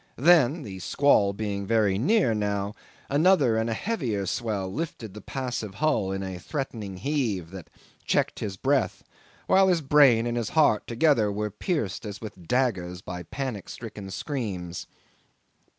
Then, the squall being very near now, another and a heavier swell lifted the passive hull in a threatening heave that checked his breath, while his brain and his heart together were pierced as with daggers by panic stricken screams.